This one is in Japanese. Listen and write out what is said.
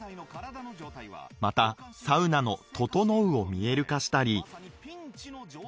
またサウナの「ととのう」を見える化したり。